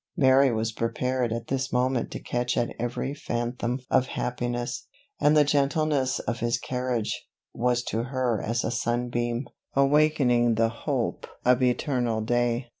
Mary was prepared at this moment to catch at every phantom of happiness; and the gentleness of his carriage, was to her as a sun beam, awakening the hope of returning day.